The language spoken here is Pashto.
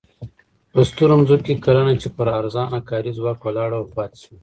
په سترو ځمکو کې کرنه چې پر ارزانه کاري ځواک ولاړه وه پاتې شوه.